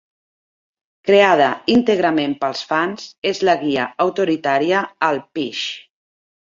Creada íntegrament pels fans, és la guia autoritària al Phish.